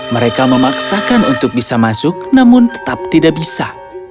mereka memaksakan untuk bisa masuk namun tetap tidak bisa